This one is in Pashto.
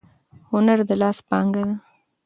هنر د لاس پانګه ده.